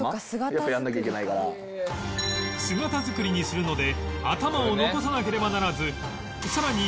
姿造りにするので頭を残さなければならずさらに